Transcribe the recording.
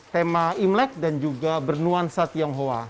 tema imlek dan juga bernuansa tionghoa